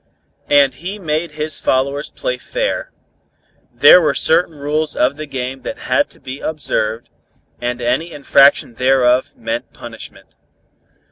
And he made his followers play fair. There were certain rules of the game that had to be observed, and any infraction thereof meant punishment.